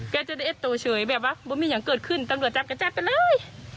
จะได้เอ็ดตัวเฉยแบบว่ามีอย่างเกิดขึ้นตำรวจจับก็จับไปเลย